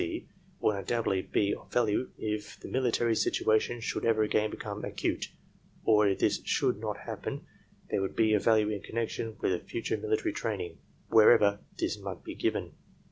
T. C. would un doubtedly be of value if the military situation should ever again become acute; or if this should not happen they would be of value in connection with the future military training, wherever this might be given.